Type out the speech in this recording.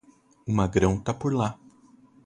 O magrão tá por lá